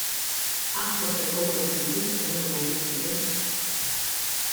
Qatt ma setgħu joħduli l-memorji tiegħi.